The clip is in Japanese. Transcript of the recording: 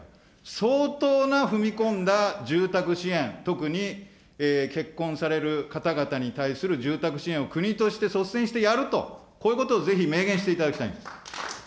相当な踏み込んだ住宅支援、特に結婚される方々に対する住宅支援を国として、率先してやると、こういうことをぜひ明言していただきたいんです。